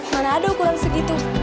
mana ada ukuran segitu